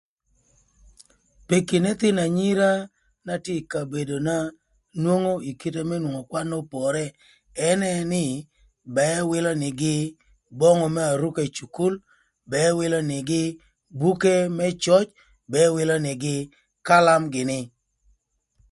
Peki n'ëthïnö anyira na tye ï kabedona nwongo ï kite më nwongo kwan n'opore ënë nï ba ëwïlö nïgï böngü më aruka ï cukul, ba ëwïlö nïgï buke më cöc, ba ëwïlö nïgï kalam gïnï.